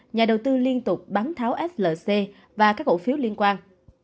nhà đầu tư liên tục bán tháo flc và các cổ phiếu liên quan